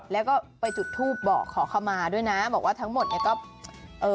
แล้วก็ไปจุดทูปบอกขอเข้ามาด้วยนะบอกว่าทั้งหมดเนี้ยก็เอ่อ